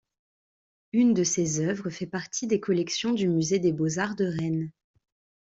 Une de ses œuvres fait partie des collections du musée des beaux-arts de Rennes.